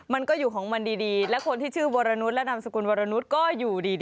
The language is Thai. มันก็อยู่ของมันดีและคนที่ชื่อวรนุษย์และนามสกุลวรนุษย์ก็อยู่ดี